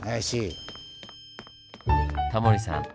タモリさん